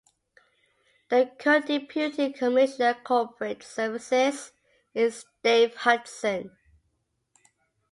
The current Deputy Commissioner, Corporate Services is Dave Hudson.